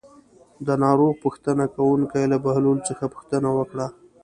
د ناروغ پوښتنه کوونکو له بهلول څخه پوښتنه وکړه.